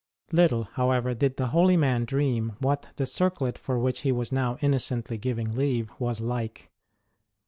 Little, however, did the holy man dream what the circlet for which he was now innocently giving leave was like